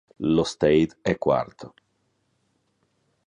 Lo Stade è quarto.